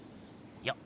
よっ。